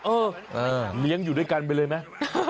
เออเลี้ยงอยู่ด้วยกันไปเลยไหม